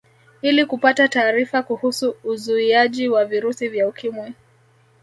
Ili kupata taarifa kuhusu uzuiaji wa virusi vya Ukimwi